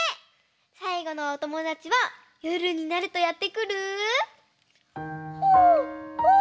さいごのおともだちはよるになるとやってくるホーホー。